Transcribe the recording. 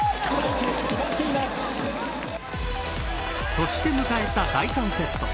そして迎えた第３セット。